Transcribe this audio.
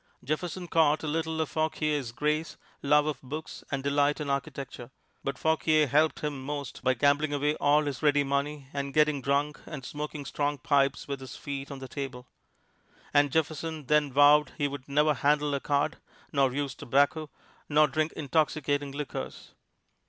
Jefferson caught a little of Fauquier's grace, love of books and delight in architecture. But Fauquier helped him most by gambling away all his ready money and getting drunk and smoking strong pipes with his feet on the table. And Jefferson then vowed he would never handle a card, nor use tobacco, nor drink intoxicating liquors.